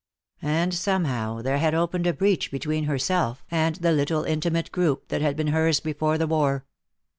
And somehow there had opened a breach between herself and the little intimate group that had been hers before the war.